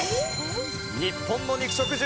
日本の肉食獣。